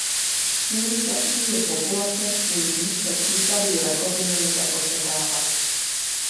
Čím starší je populace, tím více případů rakoviny lze očekávat.